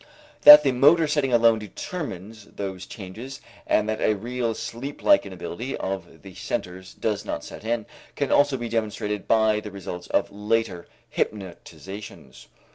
That the motor setting alone determines those changes and that a real sleeplike inability of the centers does not set in, can also be demonstrated by the results of later hypnotizations.